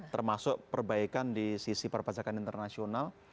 termasuk perbaikan di sisi perpajakan internasional